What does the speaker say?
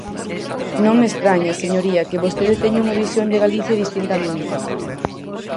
Non me estraña, señoría, que vostede teña unha visión de Galicia distinta á miña.